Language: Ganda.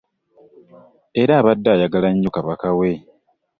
Era abadde ayagala ennyo Kabaka we.